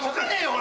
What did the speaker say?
俺。